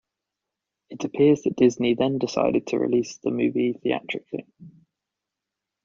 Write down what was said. It appears that Disney then decided to release the movie theatrically.